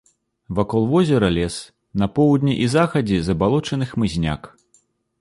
Вакол возера лес, на поўдні і захадзе забалочаны хмызняк.